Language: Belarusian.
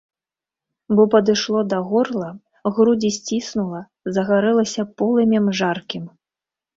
Бо падышло да горла, грудзі сціснула, загарэлася полымем жаркім.